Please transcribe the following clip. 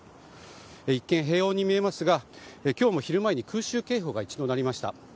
一見、平穏に見えますが今日も昼前に空襲警報が一度鳴りました。